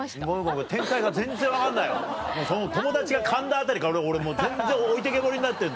ごめん展開が全然分かんないわ友達がかんだあたりから俺もう全然置いてけぼりになってんのよ。